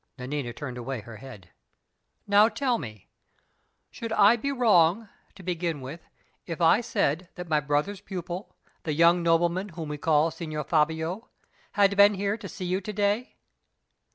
(Nanina turned away her head.) "Now, tell me; should I be wrong, to begin with, if I said that my brother's pupil, the young nobleman whom we call 'Signor Fabio,' had been here to see you to day?"